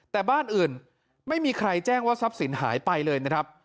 แต่บ้านอื่นไม่มีใครแจ้งว่าทรัพย์สินหายไปเลยนะครับ